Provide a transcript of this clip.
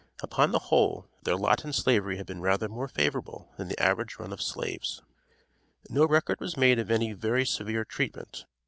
Upon the whole, their lot in Slavery had been rather more favorable than the average run of slaves. No record was made of any very severe treatment.